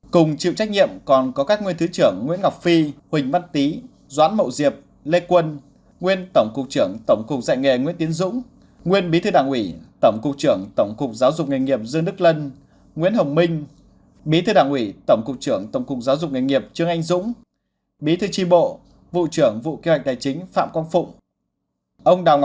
cùng chịu trách nhiệm còn có các nguyên thứ trưởng nguyễn ngọc phi huỳnh văn tý doãn mậu diệp lê quân nguyên tổng cục trưởng tổng cục dạy nghề nguyễn tiến dũng nguyên bí thư đảng ủy tổng cục trưởng tổng cục giáo dục nghề nghiệp dương đức lân nguyễn hồng minh bí thư đảng ủy tổng cục trưởng tổng cục giáo dục nghề nghiệp trương anh dũng bí thư tri bộ vụ trưởng vụ kế hoạch tài chính phạm quang phụng